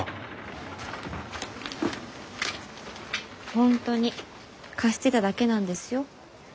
本当に貸してただけなんですよ。